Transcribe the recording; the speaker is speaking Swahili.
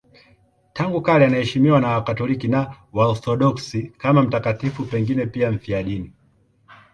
Tangu kale anaheshimiwa na Wakatoliki na Waorthodoksi kama mtakatifu, pengine pia mfiadini.